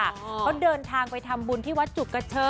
เขาเดินทางไปทำบุญที่วัดจุกกระเชอ